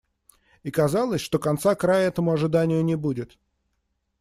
И казалось, что конца-края этому ожиданию не будет.